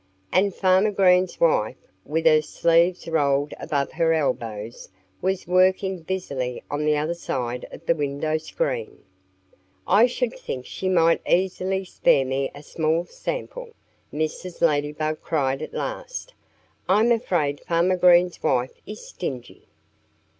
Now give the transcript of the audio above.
And Farmer Green's wife, with her sleeves rolled above her elbows, was working busily on the other side of the window screen. "I should think she might easily spare me a small sample!" Mrs. Ladybug cried at last. "I'm afraid Farmer Green's wife is stingy."